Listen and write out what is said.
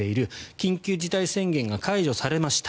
緊急事態宣言が解除されました。